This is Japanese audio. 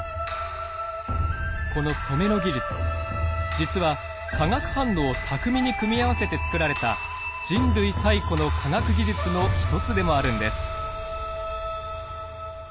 実は化学反応を巧みに組み合わせて作られた人類最古の科学技術の一つでもあるんです。